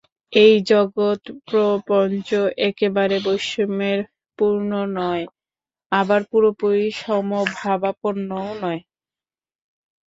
এই জগৎপ্রপঞ্চ একেবারে বৈষম্যে পূর্ণ নয়, আবার পুরোপুরি সমভাবাপন্নও নয়।